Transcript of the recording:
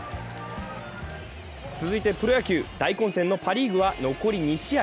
続いてプロ野球、大混戦のパ・リーグは残り２試合。